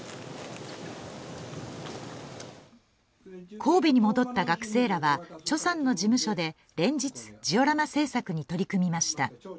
神戸に戻った学生らはチョさんの事務所で連日、ジオラマ制作に取り組みました。